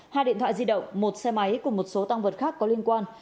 hai điện thoại di động một xe máy cùng một số tăng vật khác có liên quan